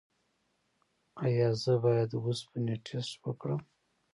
ایا زه باید د اوسپنې ټسټ وکړم؟